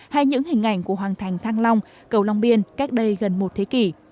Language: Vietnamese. hay những hình ảnh của hoàng thành thăng long cầu long biên cách đây gần một thế kỷ